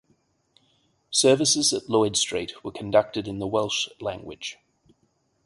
Services at Lloyd Street were conducted in the Welsh language.